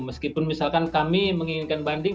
meskipun misalkan kami menginginkan banding